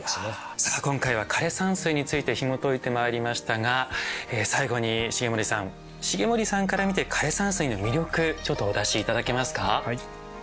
さあ今回は「枯山水」についてひもといてまいりましたが最後に重森さん重森さんから見て枯山水の魅力ちょっとお出し頂けますか。